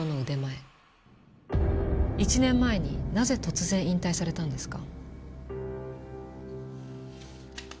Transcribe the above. １年前になぜ突然引退されたんですか？